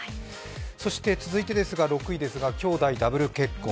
そして続いて、６位ですが兄弟ダブル結婚。